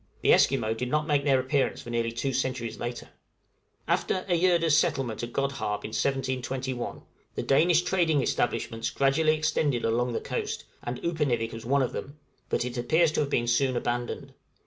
The Esquimaux did not make their appearance for nearly two centuries later. {DANISH ESTABLISHMENTS.} After Egede's settlement at Godhaab in 1721, the Danish trading establishments gradually extended along the coast, and Upernivik was one of them; but it appears to have been soon abandoned.